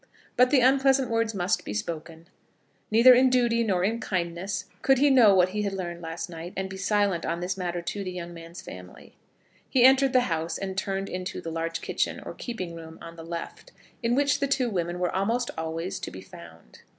But the unpleasant words must be spoken. Neither in duty nor in kindness could he know what he had learned last night, and be silent on this matter to the young man's family. He entered the house, and turned into the large kitchen or keeping room on the left, in which the two women were almost always to be found.